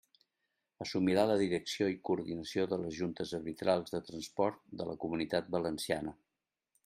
Assumirà la direcció i coordinació de les juntes arbitrals de transport de la Comunitat Valenciana.